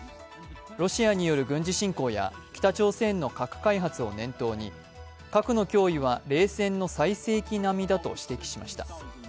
ロシアによる軍事侵攻や北朝鮮の核開発を念頭に核の脅威は冷戦の最盛期並みだと指摘しました。